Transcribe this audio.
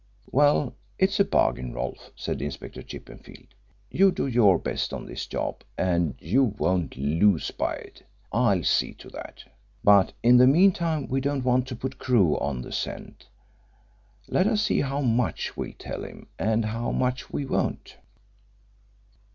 "Well, it's a bargain, Rolfe," said Inspector Chippenfield. "You do your best on this job and you won't lose by it. I'll see to that. But in the meantime we don't want to put Crewe on the scent. Let us see how much we'll tell him and how much we won't."